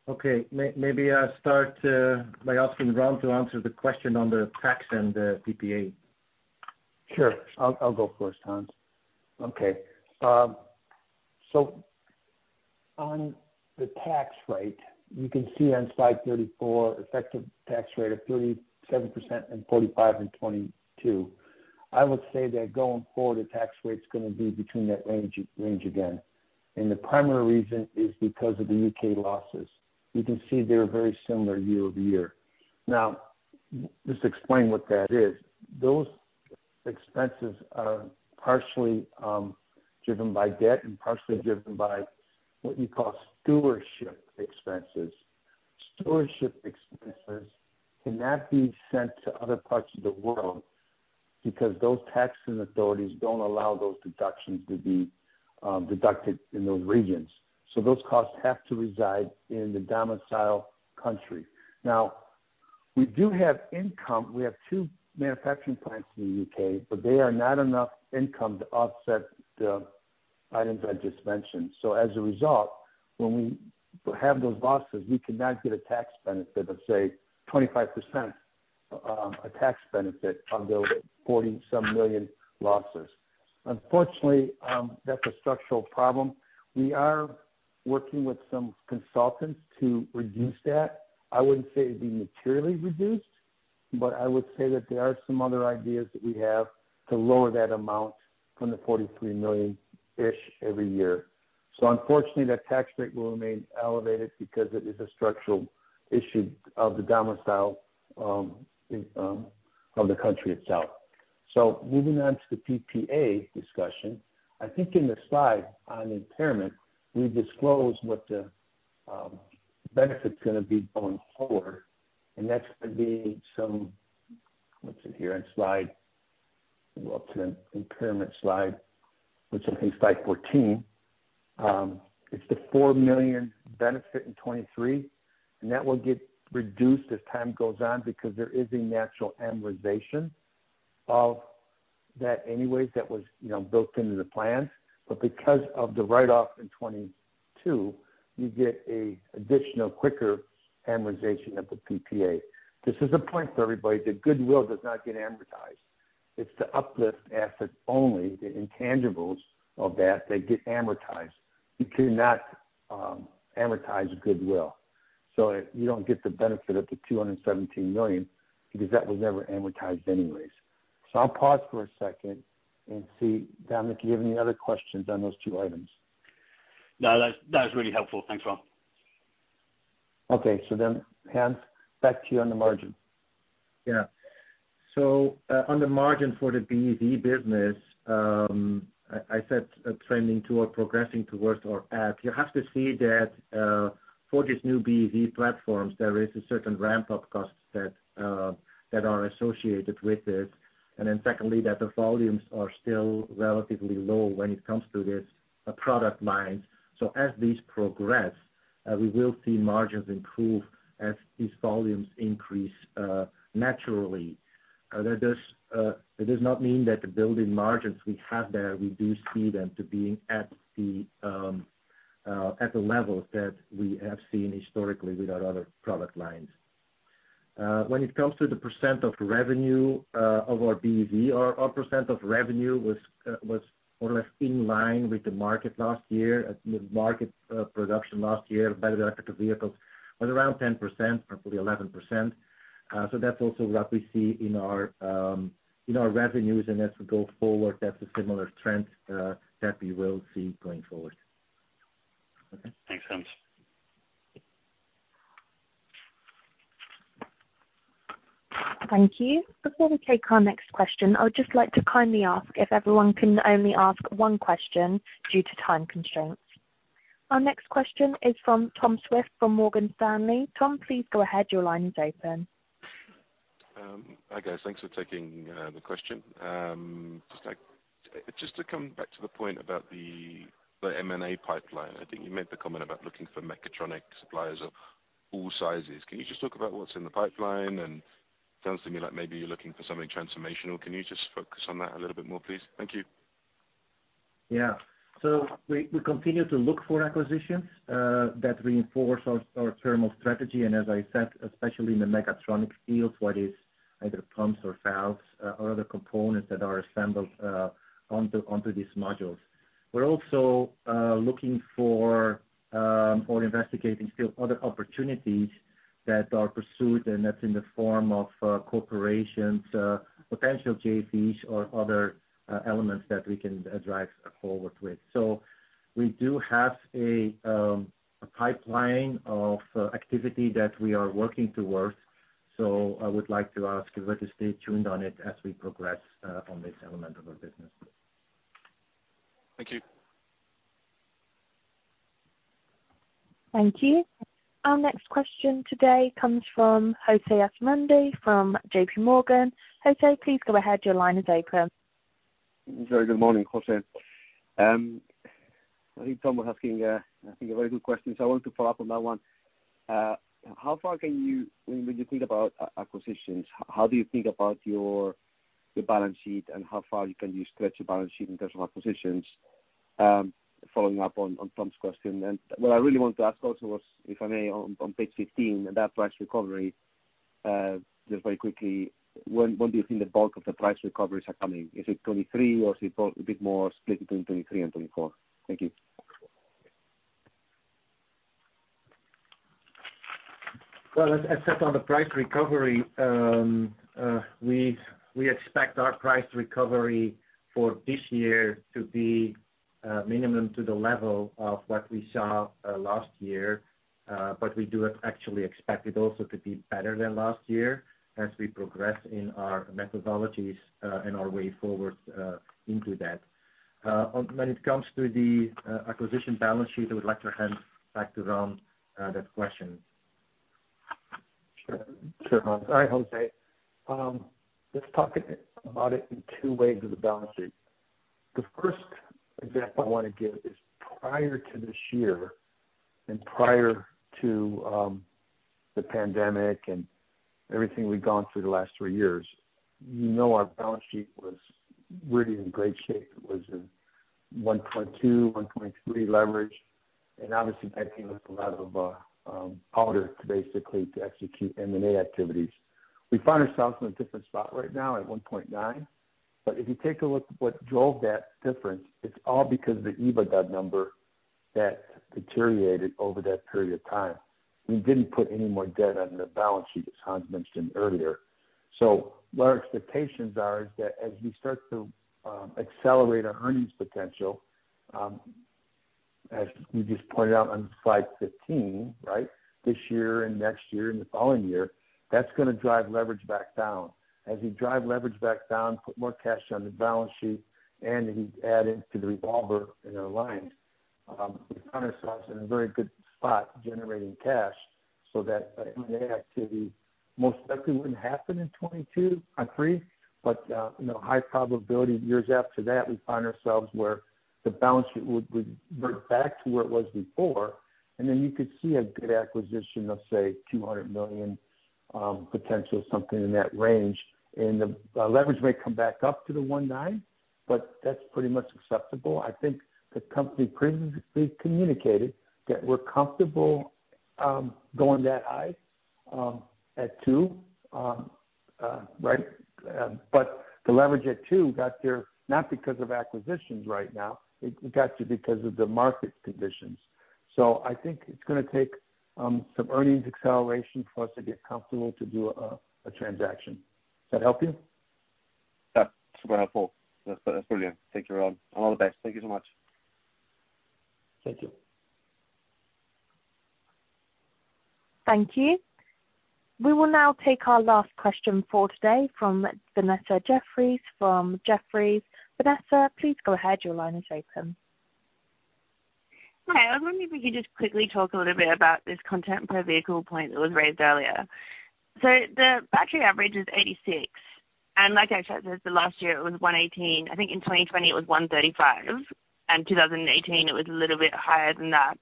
Okay. Maybe I'll start by asking Ron to answer the question on the tax and the PPA. Sure. I'll go first, Hans. Okay. On the tax rate, you can see on slide 34 effective tax rate of 37% and 45% and 22%. I would say that going forward the tax rate's gonna be between that range again. The primary reason is because of the U.K. losses. You can see they're very similar year-over-year. Just explain what that is. Those expenses are partially driven by debt and partially driven by what you call stewardship expenses. Stewardship expenses cannot be sent to other parts of the world because those taxing authorities don't allow those deductions to be deducted in those regions. Those costs have to reside in the domicile country. We do have income. We have two manufacturing plants in the U.K., but they are not enough income to offset the items I just mentioned. As a result, when we have those losses, we cannot get a tax benefit of, say, 25%, a tax benefit on those EUR 40 some million losses. Unfortunately, that's a structural problem. We are working with some consultants to reduce that. I wouldn't say it'd be materially reduced, but I would say that there are some other ideas that we have to lower that amount from the 43 million-ish every year. Unfortunately, that tax rate will remain elevated because it is a structural issue of the domicile of the country itself. Moving on to the PPA discussion. I think in the slide on impairment, we disclose what the benefit's gonna be going forward, and that's gonna be some. What's it here in slide? Go up to the impairment slide, which I think is slide 14. It's the 4 million benefit in 2023, and that will get reduced as time goes on because there is a natural amortization of that anyways that was, you know, built into the plan. Because of the write-off in 2022, you get a additional quicker amortization of the PPA. This is a point for everybody that goodwill does not get amortized. It's the uplift assets only, the intangibles of that get amortized. You cannot amortize goodwill. You don't get the benefit of the 217 million because that was never amortized anyways. I'll pause for a second and see, Dominic, do you have any other questions on those two items? No, that's, that was really helpful. Thanks, Ron. Okay. Hans, back to you on the margin. On the margin for the BEV business, I said trending toward progressing towards or at. You have to see that for these new BEV platforms, there is a certain ramp-up costs that are associated with it, and then secondly that the volumes are still relatively low when it comes to this product line. As these progress, we will see margins improve as these volumes increase, naturally. That does not mean that the building margins we have there, we do see them to being at the levels that we have seen historically with our other product lines. When it comes to the % of revenue of our BEV, our % of revenue was more or less in line with the market last year. At the market, production last year, battery electric vehicles was around 10%, probably 11%. That's also what we see in our revenues and as we go forward, that's a similar trend that we will see going forward. Okay. Thanks, Hans. Thank you. Before we take our next question, I would just like to kindly ask if everyone can only ask one question due to time constraints. Our next question is from Tom Swift from Morgan Stanley. Tom, please go ahead. Your line is open. Hi, guys. Thanks for taking the question. Just to come back to the point about the M&A pipeline. I think you made the comment about looking for mechatronic suppliers of all sizes. Can you just talk about what's in the pipeline? Sounds to me like maybe you're looking for something transformational. Can you just focus on that a little bit more, please? Thank you. Yeah. We continue to look for acquisitions that reinforce our thermal strategy, and as I said, especially in the Mechatronics field, whether it's either pumps or valves or other components that are assembled onto these modules. We're also looking for or investigating still other opportunities that are pursued and that's in the form of corporations, potential JVs or other elements that we can drive forward with. We do have a pipeline of activity that we are working towards. I would like to ask you all to stay tuned on it as we progress on this element of our business. Thank you. Thank you. Our next question today comes from José Asumendi from J.P. Morgan. José, please go ahead. Your line is open. Very good morning, José. I think Tom was asking, I think a very good question, so I want to follow up on that one. When you think about acquisitions, how do you think about your, the balance sheet and how far you can stretch your balance sheet in terms of acquisitions? Following up on Tom's question. What I really wanted to ask also was, if I may, on page 15, about price recovery, just very quickly, when do you think the bulk of the price recoveries are coming? Is it 2023 or is it a bit more split between 2023 and 2024? Thank you. Well, as said on the price recovery, we expect our price recovery for this year to be minimum to the level of what we saw last year. We do actually expect it also to be better than last year as we progress in our methodologies and our way forward into that. When it comes to the acquisition balance sheet, I would like to hand back to Ron, that question. Sure. Sure. All right, José. Let's talk about it in two ways of the balance sheet. The first example I wanna give is prior to this year and prior to the pandemic and everything we've gone through the last three years, you know, our balance sheet was really in great shape. It was 1.2, 1.3 leverage, and obviously that came with a lot of powder to basically to execute M&A activities. We find ourselves in a different spot right now at 1.9. If you take a look at what drove that difference, it's all because of the EBITDA number that deteriorated over that period of time. We didn't put any more debt on the balance sheet, as Hans mentioned earlier. My expectations are is that as we start to accelerate our earnings potential, as you just pointed out on slide 15, right? This year and next year and the following year, that's gonna drive leverage back down. As you drive leverage back down, put more cash on the balance sheet and you add into the revolver in our lines, we find ourselves in a very good spot generating cash so that M&A activity most likely wouldn't happen in 2022 or 2023. You know, high probability years after that, we find ourselves where the balance sheet would revert back to where it was before. You could see a good acquisition of, say, 200 million, potential, something in that range. The leverage may come back up to the 1.9, but that's pretty much acceptable. I think the company previously communicated that we're comfortable, going that high, at two. Right. The leverage at 2 got there not because of acquisitions right now. It got there because of the market conditions. I think it's gonna take some earnings acceleration for us to get comfortable to do a transaction. That help you? Yeah. Super helpful. That's brilliant. Thank you, Ron. All the best. Thank you so much. Thank you. Thank you. We will now take our last question for today from Vanessa Jeffriess from Jefferies. Vanessa, please go ahead. Your line is open. Hi. I was wondering if you could just quickly talk a little bit about this content per vehicle point that was raised earlier. The battery average is 86, and like I checked this, the last year it was 118. I think in 2020 it was 135. In 2018 it was a little bit higher than that.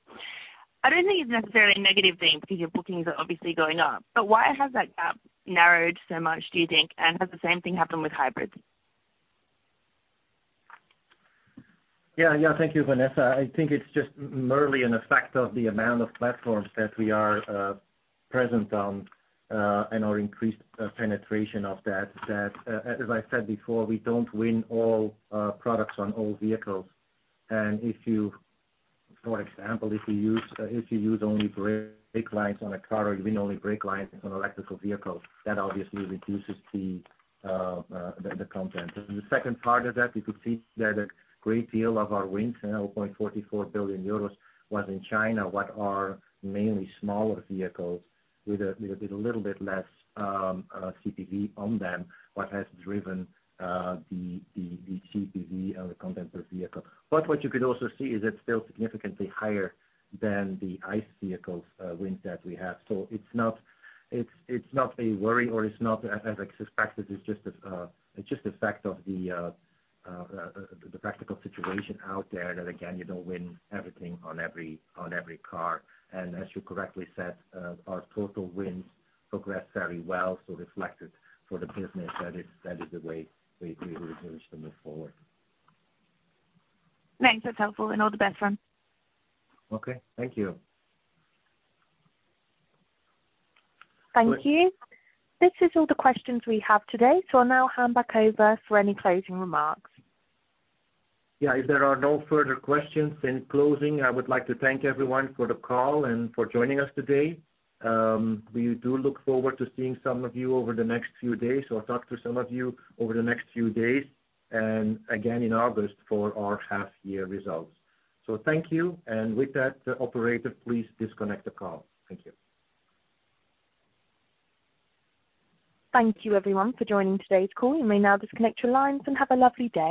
I don't think it's necessarily a negative thing because your bookings are obviously going up. Why has that gap narrowed so much, do you think? Has the same thing happened with hybrids? Yeah. Thank you, Vanessa. I think it's just merely an effect of the amount of platforms that we are present on and our increased penetration of that, as I said before, we don't win all products on all vehicles. If you, for example, use only brake lines on a car or you win only brake lines on electrical vehicles, that obviously reduces the content. The second part of that, you could see that a great deal of our wins, you know, 0.44 billion euros was in China, what are mainly smaller vehicles with a little bit less CPV on them, what has driven the CPV, the content per vehicle. What you could also see is it's still significantly higher than the ICE vehicles, wins that we have. It's not, it's not a worry or it's not as expected. It's just effect of the practical situation out there that again, you don't win everything on every car. As you correctly said, our total wins progressed very well, so reflected for the business. That is the way we will continue to move forward. Thanks. That's helpful, and all the best, Ron. Okay. Thank you. Thank you. This is all the questions we have today. I'll now hand back over for any closing remarks. Yeah. If there are no further questions, in closing, I would like to thank everyone for the call and for joining us today. We do look forward to seeing some of you over the next few days or talk to some of you over the next few days, and again in August for our half year results. Thank you. With that, operator, please disconnect the call. Thank you. Thank you everyone for joining today's call. You may now disconnect your lines, and have a lovely day.